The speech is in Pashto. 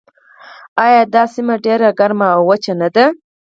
آیا دا سیمه ډیره ګرمه او وچه نه ده؟